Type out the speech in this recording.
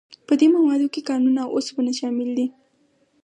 په دې موادو کې کانونه او اوسپنه شامل دي.